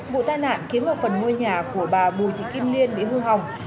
vụ tai nạn khiến một phần ngôi nhà của bà bùi thị kim liên bị hư hỏng